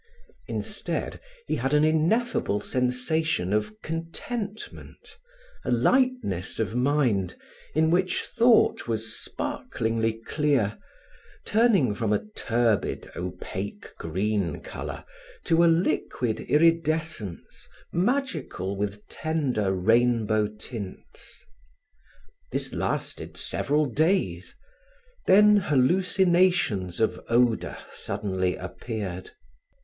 Instead, he had an ineffable sensation of contentment, a lightness of mind in which thought was sparklingly clear, turning from a turbid, opaque, green color to a liquid iridescence magical with tender rainbow tints. This lasted several days. Then hallucinations of odor suddenly appeared.